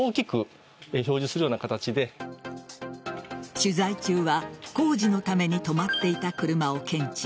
取材中は工事のために止まっていた車を検知。